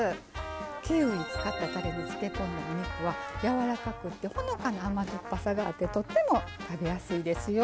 キウイ使ったたれに漬け込んだお肉はやわらかくってほのかな甘酸っぱさがあってとっても食べやすいですよ。